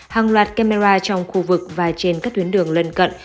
hàng loạt camera trong khu vực và trên các tuyến đường lân cận